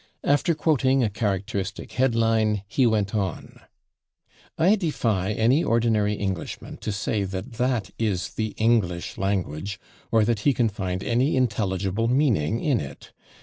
After quoting a characteristic headline he went on: I defy any ordinary Englishman to say that that is the English language or that he can find any intelligible meaning in it.